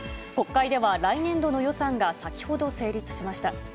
国会では、来年度の予算が先ほど成立しました。